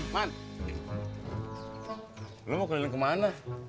mat lo mau keliling kemana